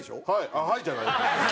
あっ「はい」じゃない。